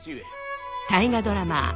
大河ドラマ